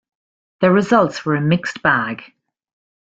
The results were a mixed bag.